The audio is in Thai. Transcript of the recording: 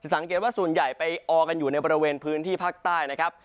สังเกตว่าส่วนใหญ่ไปออกันอยู่ในบริเวณพื้นที่ภาคใต้นะครับ